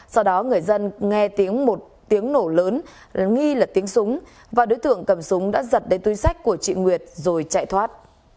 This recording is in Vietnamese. sau đó người dân nghe tiếng một tiếng nổ lớn nghi là tiếng súng và đối tượng cầm súng đã giật đến túi sách của chị nguyệt rồi chạy thoát